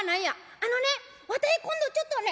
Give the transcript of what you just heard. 「あのねわたい今度ちょっとね